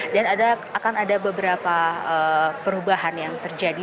dan akan ada beberapa perubahan yang terjadi